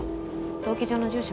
登記上の住所